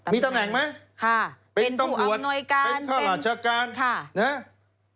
มีตำแหน่งไหมเป็นผู้อำนวยการค่ะเป็นผู้อำนวยการเป็นข้าราชการ